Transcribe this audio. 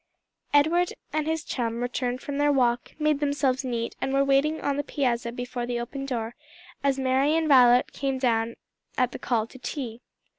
Edward and his chum returned from their walk, made themselves neat, and were waiting on the piazza before the open door, as Mary and Violet came down at the call to tea.